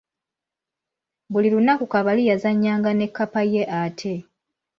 Buli lunaku Kabali yazannya nga ne kkapa ye ate.